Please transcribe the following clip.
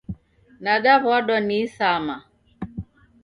Nadaw'adwa ni isama